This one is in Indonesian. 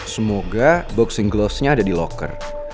semoga boxing glosnya ada di locker